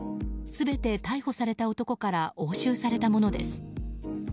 全て逮捕された男から押収されたものです。